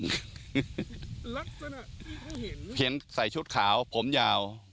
ผีเห็นสายชุดขาวผมยาว